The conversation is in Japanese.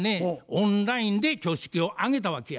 オンラインで挙式を挙げたわけや。